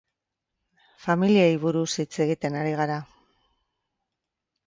Familiei buruz hitz egiten ari gara.